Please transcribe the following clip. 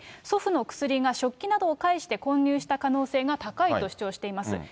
祖父の薬が食器などを介して、混入した可能性が高いと主張しています。